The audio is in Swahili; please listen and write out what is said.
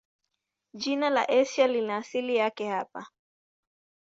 Jina la Asia lina asili yake hapa.